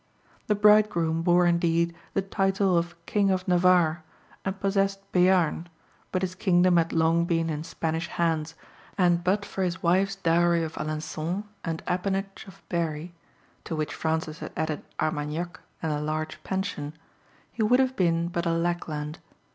The bridegroom bore indeed the title of King of Navarre and possessed Beam, but his kingdom had long been in Spanish hands, and but for his wife's dowry of Alençon and appanage of Berry (to which Francis had added Armagnac and a large pension) he would have been but a lackland.